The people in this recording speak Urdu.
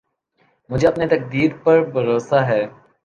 مجھے اپنی تقدیر پر بھروسہ ہے